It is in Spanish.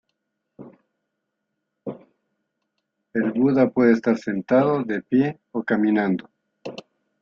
El Buda puede estar sentado, de pie o caminando.